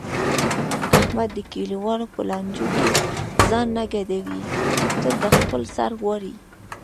احمد د کلیوالو په لانجو کې ځان نه ګډوي تل د خپل سر غواړي.